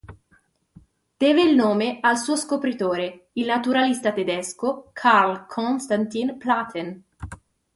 Deve il nome al suo scopritore, il naturalista tedesco Carl Constantin Platen.